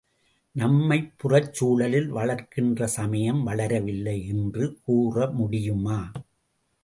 நம்மைப்புறச் சூழலில் வளர்க்கின்ற சமயம் வளரவில்லை என்று கூற முடியுமா?